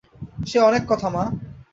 সে অনেক কথা মা।